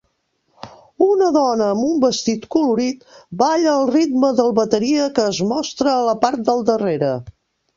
Una dona amb un vestit colorit balla al ritme del bateria que es mostra a la part del darrera.